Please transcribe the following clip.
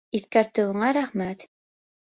— Иҫкәртеүеңә рәхмәт.